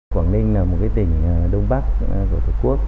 quảng ninh là một tỉnh đông bắc của tổ quốc